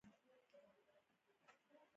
ایا زما پوندې به ښې شي؟